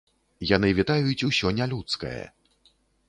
Яны вітаюць усё нялюдскае.